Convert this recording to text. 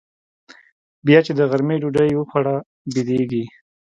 بيا چې د غرمې ډوډۍ يې وخوړه بيدېږي.